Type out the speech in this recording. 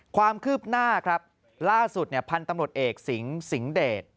ความคืบหน้าครับล่าสุดพันธุ์ตำรวจเอกสิงสิงหเดช